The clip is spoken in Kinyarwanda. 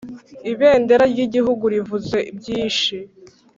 Ibendera ryigihugu rivuze byishi.